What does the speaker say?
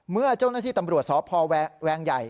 เมื่อเจ้าหน้าที่ตำรวจสพแวงใหญ่